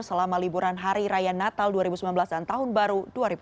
selama liburan hari raya natal dua ribu sembilan belas dan tahun baru dua ribu delapan belas